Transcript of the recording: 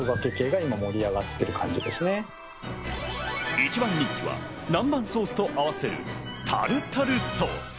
一番人気は南蛮ソースと合わせるタルタルソース。